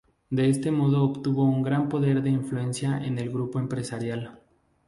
De este modo obtuvo un gran poder de influencia en el grupo empresarial.